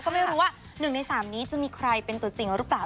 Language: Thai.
ก็ไม่รู้ว่า๑ใน๓นี้จะมีใครเป็นตัวจริงหรือเปล่า